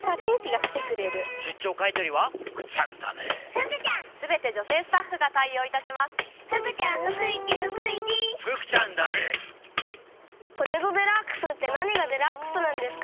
かくもんいくもん「ポテトデラックス」って何がデラックスなんですか？